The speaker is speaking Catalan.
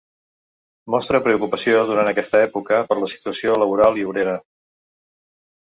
Mostra preocupació, durant aquesta època, per la situació laboral i obrera.